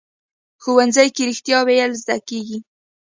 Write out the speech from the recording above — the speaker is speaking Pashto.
ښوونځی کې رښتیا ویل زده کېږي